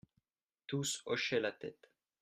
Tous hochaient la tête.